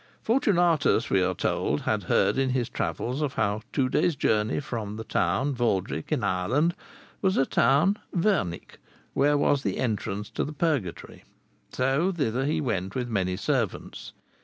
Fortunatus, we are told, had heard in his travels of how two days' journey from the town Valdric, in Ireland, was a town, Vernic, where was the entrance to the Purgatory; so thither he went with many servants.